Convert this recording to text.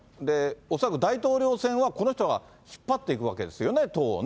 恐らく大統領選はこの人が引っ張っていくわけですよね、党をね。